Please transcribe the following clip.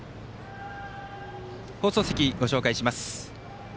放送席をご紹介します。